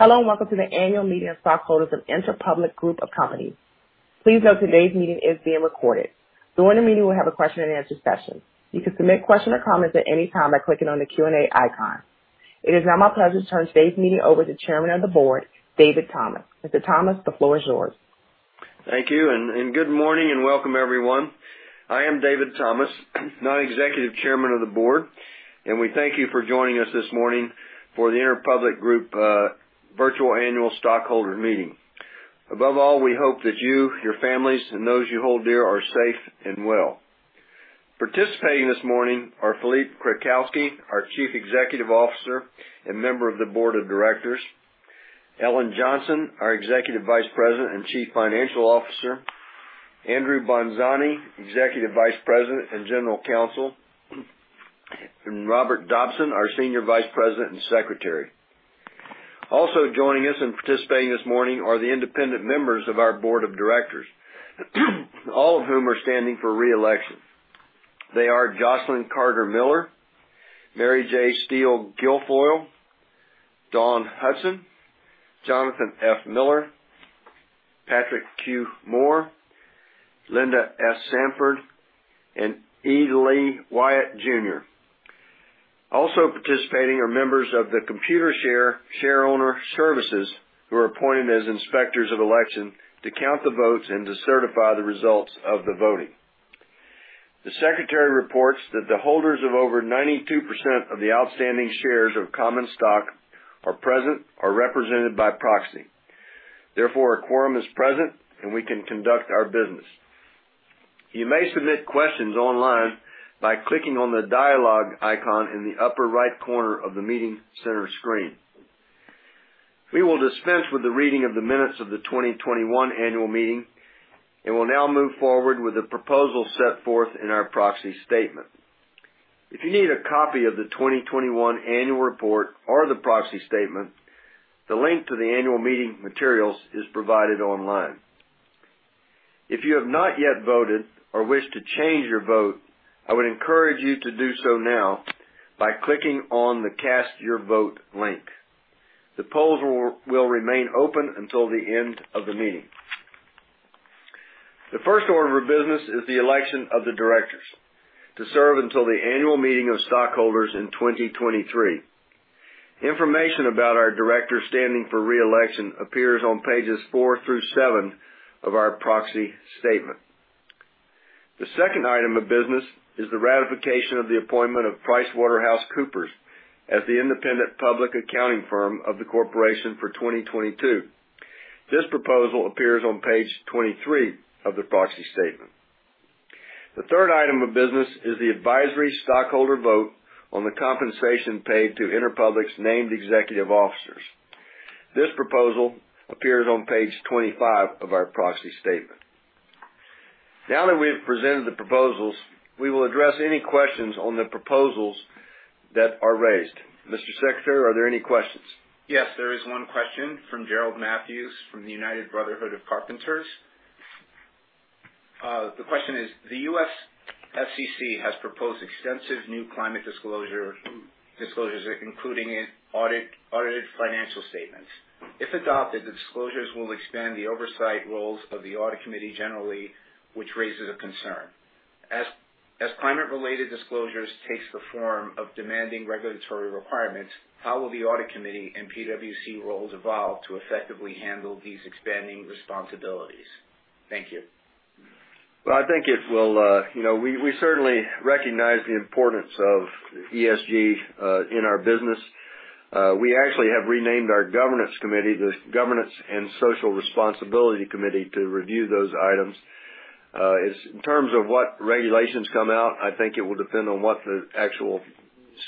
Hello, and Welcome to The Annual Meeting of Stockholders of Interpublic Group of Companies. Please note today's meeting is being recorded. During the meeting, we'll have a question and answer session. You can submit question or comments at any time by clicking on the Q&A icon. It is now my pleasure to turn today's meeting over to Chairman of the Board, David Thomas. Mr. Thomas, the floor is yours. Thank you, and good morning and welcome everyone. I am David Thomas, Non-Executive Chairman of the Board, and we thank you for joining us this morning for the Interpublic Group Virtual Annual Stockholder Meeting. Above all, we hope that you, your families, and those you hold dear are safe and well. Participating this morning are Philippe Krakowsky, our Chief Executive Officer and Member of the Board of Directors. Ellen Johnson, our Executive Vice President and Chief Financial Officer. Andrew Bonzani, Executive Vice President and General Counsel, and Robert Dobson, our Senior Vice President and Secretary. Also joining us and participating this morning are the independent members of our board of directors, all of whom are standing for re-election. They are Jocelyn Carter-Miller, Mary J. Steele Guilfoile, Dawn Hudson, Jonathan F. Miller, Patrick Q. Moore, Linda S. Sanford, and E. Lee Wyatt Jr. Also participating are members of the Computershare Shareholder Services who are appointed as inspectors of election to count the votes and to certify the results of the voting. The secretary reports that the holders of over 92% of the outstanding shares of common stock are present or represented by proxy. Therefore, a quorum is present, and we can conduct our business. You may submit questions online by clicking on the dialogue icon in the upper right corner of the meeting center screen. We will dispense with the reading of the minutes of the 2021 annual meeting and will now move forward with the proposal set forth in our Proxy Statement. If you need a copy of the 2021 annual report or the Proxy Statement, the link to the annual meeting materials is provided online. If you have not yet voted or wish to change your vote, I would encourage you to do so now by clicking on the Cast Your Vote link. The polls will remain open until the end of the meeting. The first order of business is the election of the directors to serve until the annual meeting of stockholders in 2023. Information about our directors standing for re-election appears on pages four through seven of our Proxy Statement. The second item of business is the ratification of the appointment of PricewaterhouseCoopers as the independent public accounting firm of the corporation for 2022. This proposal appears on page 23 of the Proxy Statement. The third item of business is the advisory stockholder vote on the compensation paid to Interpublic's named executive officers. This proposal appears on page 25 of our Proxy Statement. Now that we have presented the proposals, we will address any questions on the proposals that are raised. Mr. Secretary, are there any questions? Yes, there is one question from Gerald Matthews from the United Brotherhood of Carpenters. The question is: The U.S. SEC has proposed extensive new climate disclosures, including in audited financial statements. If adopted, the disclosures will expand the oversight roles of the audit committee generally, which raises a concern. As climate related disclosures takes the form of demanding regulatory requirements, how will the audit committee and PwC roles evolve to effectively handle these expanding responsibilities? Thank you. Well, I think it will, you know, we certainly recognize the importance of ESG in our business. We actually have renamed our governance committee, the Governance and Social Responsibility Committee, to review those items. In terms of what regulations come out, I think it will depend on what the actual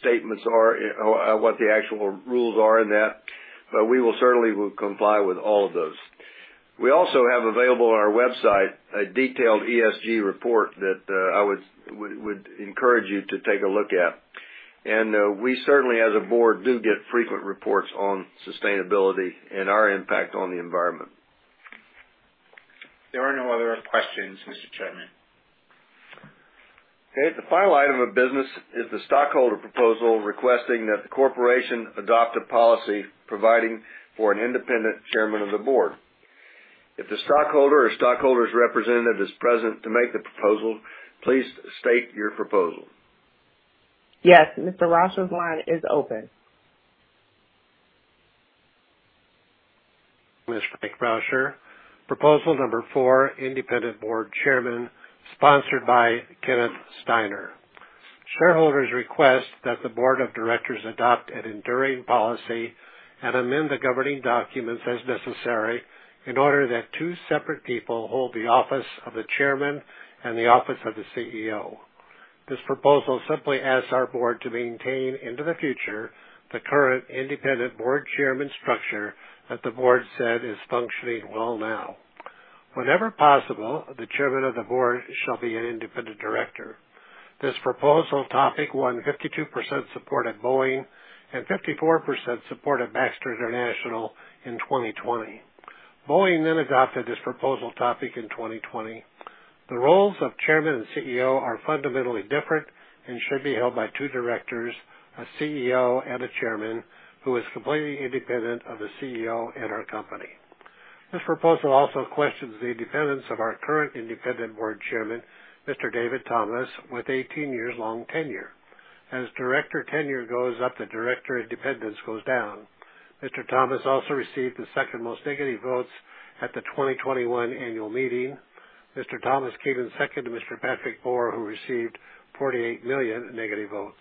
statements are and what the actual rules are in that, but we will certainly comply with all of those. We also have available on our website a detailed ESG report that I would encourage you to take a look at. We certainly as a board do get frequent reports on sustainability and our impact on the environment. There are no other questions, Mr. Chairman. Okay. The final item of business is the stockholder proposal requesting that the corporation adopt a policy providing for an independent chairman of the board. If the stockholder or stockholder's representative is present to make the proposal, please state your proposal. Yes, Mr. Roscher's line is open. Mr. Nick Roscher. Proposal number four, Independent Board Chairman, sponsored by Kenneth Steiner. Shareholders request that the board of directors adopt an enduring policy and amend the governing documents as necessary in order that two separate people hold the office of the Chairman and the office of the CEO. This proposal simply asks our board to maintain into the future the current Independent Board Chairman structure that the board said is functioning well now. Whenever possible, the Chairman of the Board shall be an Independent Director. This proposal topic won 52% support at Boeing and 54% support at Baxter International in 2020. Boeing then adopted this proposal topic in 2020. The roles of Chairman and CEO are fundamentally different and should be held by two directors, a CEO and a Chairman who is completely Independent of the CEO and our company. This proposal also questions the independence of our current Independent Board Chairman, Mr. David M. Thomas, with 18 years long tenure. As director tenure goes up, the director independence goes down. Mr. David M. Thomas also received the second most negative votes at the 2021 annual meeting. Mr. David M. Thomas came in second to Mr. Patrick Q. Moore, who received 48 million negative votes.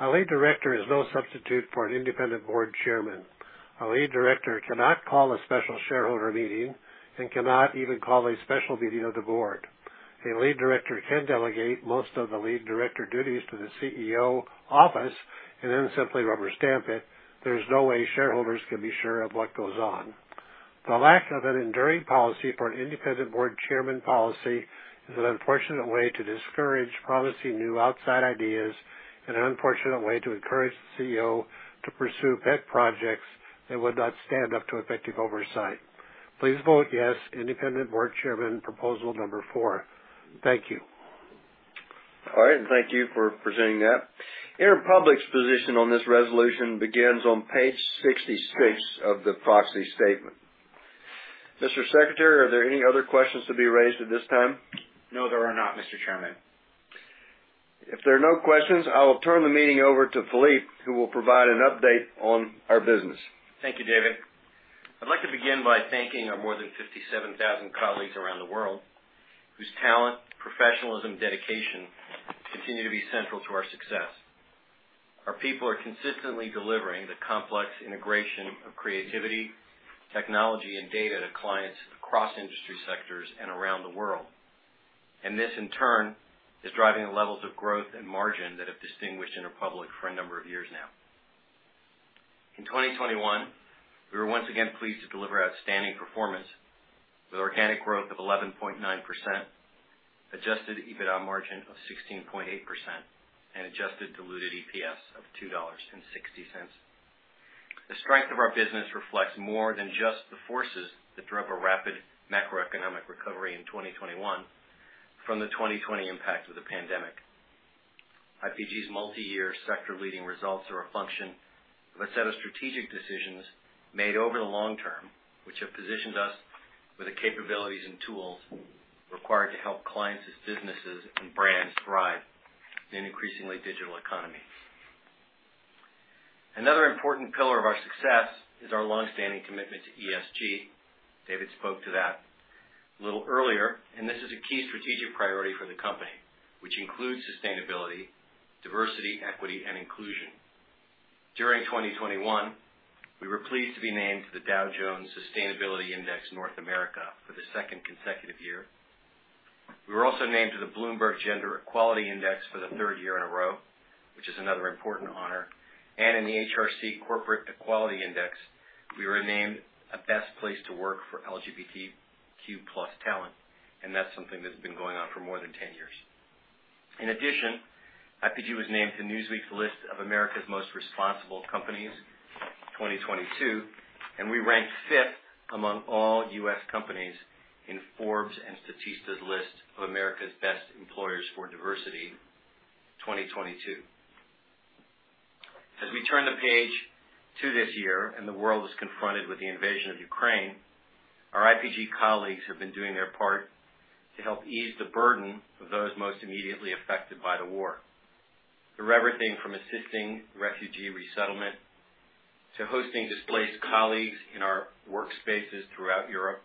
A lead director is no substitute for an independent board chairman. A lead director cannot call a special shareholder meeting and cannot even call a special meeting of the board. A lead director can delegate most of the Lead Director duties to the CEO office and then simply rubber stamp it. There's no way shareholders can be sure of what goes on. The lack of an enduring policy for an independent board chairman policy is an unfortunate way to discourage promising new outside ideas and an unfortunate way to encourage the CEO to pursue pet projects that would not stand up to effective oversight. Please vote yes. Independent Board Chairman, proposal number four. Thank you. All right. Thank you for presenting that. Interpublic's position on this resolution begins on page 66 of the Proxy Statement. Mr. Secretary, are there any other questions to be raised at this time? No, there are not, Mr. Chairman. If there are no questions, I will turn the meeting over to Philippe, who will provide an update on our business. Thank you, David. I'd like to begin by thanking our more than 57,000 colleagues around the world whose talent, professionalism, dedication continue to be central to our success. Our people are consistently delivering the complex integration of creativity, technology, and data to clients across industry sectors and around the world. This, in turn, is driving the levels of growth and margin that have distinguished Interpublic for a number of years now. In 2021, we were once again pleased to deliver outstanding performance with organic growth of 11.9%, adjusted EBITDA margin of 16.8%, and adjusted diluted EPS of $2.60. The strength of our business reflects more than just the forces that drove a rapid macroeconomic recovery in 2021 from the 2020 impact of the pandemic. IPG's multi-year sector-leading results are a function of a set of strategic decisions made over the long term, which have positioned us with the capabilities and tools required to help clients as businesses and brands thrive in an increasingly digital economy. Another important pillar of our success is our longstanding commitment to ESG. David spoke to that a little earlier, and this is a key strategic priority for the company, which includes sustainability, diversity, equity, and inclusion. During 2021, we were pleased to be named to the Dow Jones Sustainability North America Index for the second consecutive year. We were also named to the Bloomberg Gender-Equality Index for the third year in a row, which is another important honor. In the HRC Corporate Equality Index, we were named a best place to work for LGBTQ+ talent, and that's something that's been going on for more than 10 years. In addition, IPG was named to Newsweek's list of America's Most Responsible Companies 2022, and we ranked fifth among all U.S. companies in Forbes and Statista's List of America's Best Employers for Diversity 2022. As we turn the page to this year and the world is confronted with the invasion of Ukraine, our IPG colleagues have been doing their part to help ease the burden of those most immediately affected by the war, through everything from assisting refugee resettlement to hosting displaced colleagues in our workspaces throughout Europe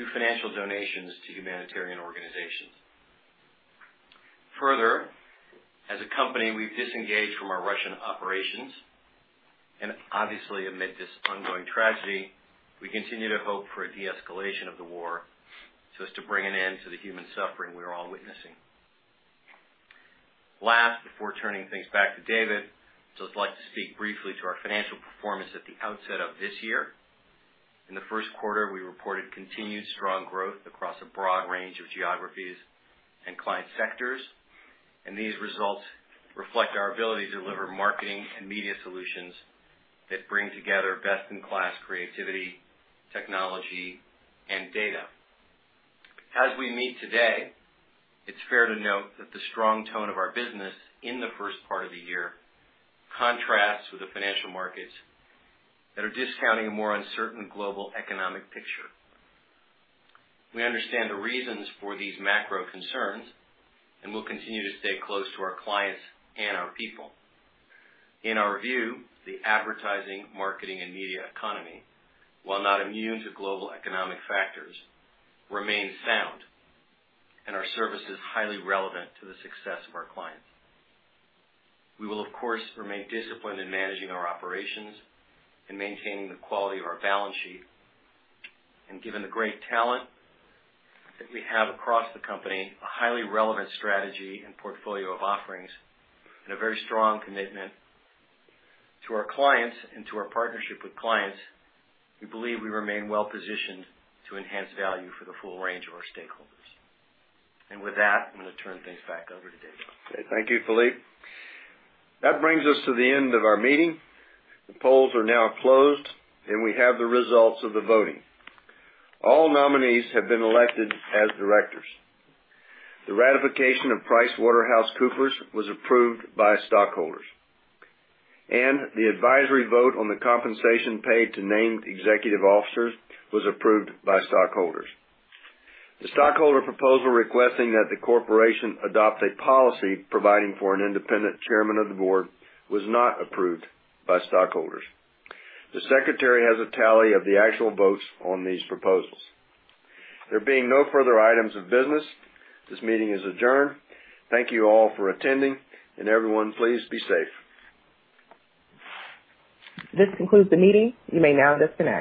to financial donations to humanitarian organizations. Further, as a company, we've disengaged from our Russian operations. Obviously, amid this ongoing tragedy, we continue to hope for a de-escalation of the war so as to bring an end to the human suffering we are all witnessing. Last, before turning things back to David, just like to speak briefly to our financial performance at the outset of this year. In the first quarter, we reported continued strong growth across a broad range of geographies and client sectors. These results reflect our ability to deliver marketing and media solutions that bring together best in class creativity, technology, and data. As we meet today, it's fair to note that the strong tone of our business in the first part of the year contrasts with the financial markets that are discounting a more uncertain global economic picture. We understand the reasons for these macro concerns, and we'll continue to stay close to our clients and our people. In our view, the advertising, marketing, and media economy, while not immune to global economic factors, remains sound and our services highly relevant to the success of our clients. We will, of course, remain disciplined in managing our operations and maintaining the quality of our balance sheet. Given the great talent that we have across the company, a highly relevant strategy and portfolio of offerings, and a very strong commitment to our clients and to our partnership with clients, we believe we remain well-positioned to enhance value for the full range of our stakeholders. With that, I'm gonna turn things back over to David. Okay. Thank you, Philippe. That brings us to the end of our meeting. The polls are now closed, and we have the results of the voting. All nominees have been elected as directors. The ratification of PricewaterhouseCoopers was approved by stockholders, and the advisory vote on the compensation paid to named executive officers was approved by stockholders. The stockholder proposal requesting that the corporation adopt a policy providing for an Independent Chairman of the Board was not approved by stockholders. The secretary has a tally of the actual votes on these proposals. There being no further items of business, this meeting is adjourned. Thank you all for attending and everyone, please be safe. This concludes the meeting. You may now disconnect.